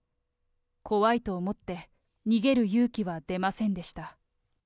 怖いと思って逃げる勇気は出ませんでした。